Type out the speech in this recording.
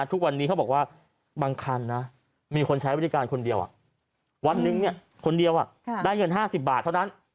ทุกวันนี้เขาบอกว่าบางคันนะมีคนใช้วิธีการคนเดียวอะวันนึงเนี่ยคนเดียวอะได้เงินห้าสิบบาทเท่านั้น